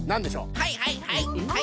はいはいはいはい！